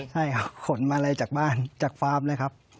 ใช่ครับขนมาลัยจากบ้านจากฟาร์มเลยครับ